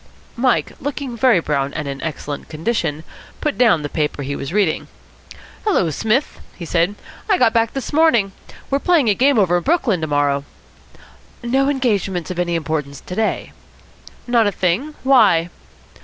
Mike, looking very brown and in excellent condition, put down the paper he was reading. "Hullo, Psmith," he said. "I got back this morning. We're playing a game over in Brooklyn to morrow." "No engagements of any importance to day?" "Not a thing. Why?"